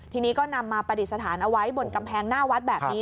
ทีนี้ก็นำมาปฏิสถานเอาไว้บนกำแพงหน้าวัดแบบนี้